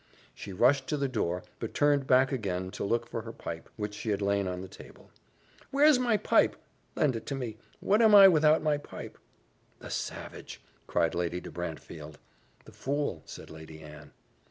She rushed to the door, but turned back again to look for her pipe, which she had laid on the table. "Where's my pipe? Lend it me What am I without my pipe?" "The savage!" cried Lady de Brantefield. "The fool!" said Lady Anne.